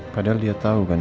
padahal dia tau kan